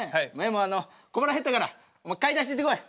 もうあの小腹減ったからお前買い出し行ってこい。